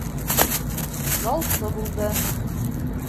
Ялсы булды.